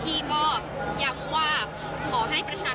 ตอนนี้เป็นครั้งหนึ่งครั้งหนึ่ง